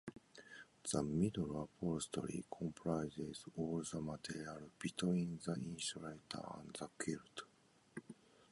The middle upholstery comprises all the material between the insulator and the quilt.